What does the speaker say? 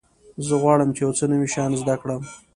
زه غواړم چې یو څه نوي شیان زده کړم.